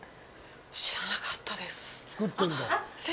知らなかったです。